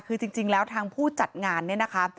คือจริงแล้วทางผู้จัดงานเนี่ยนะคะ